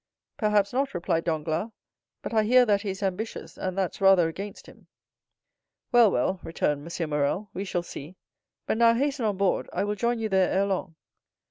"Perhaps not," replied Danglars; "but I hear that he is ambitious, and that's rather against him." "Well, well," returned M. Morrel, "we shall see. But now hasten on board, I will join you there ere long."